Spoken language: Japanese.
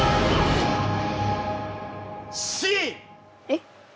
えっ。